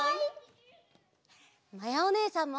まやおねえさんも！